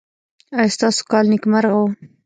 ایا ستاسو کال نیکمرغه و؟